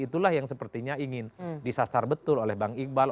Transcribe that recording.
itulah yang sepertinya ingin disasar betul oleh bang iqbal